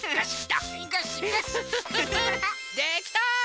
できた！